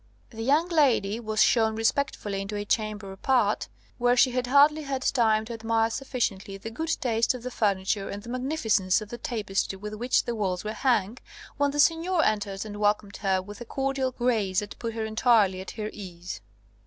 The young lady was shown respectfully into a chamber apart, where she had hardly had time to admire sufficiently the good taste of the furniture and the magnificence of the tapestry with which the walls were hung, when the Seigneur entered and welcomed her with a cordial grace that put her entirely at her ease.